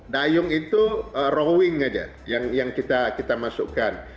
dayung itu rowing aja yang kita masukkan